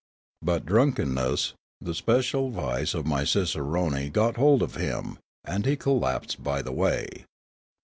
But drunkenness, the special vice of my cicerone, got hold of him, and he collapsed by the way.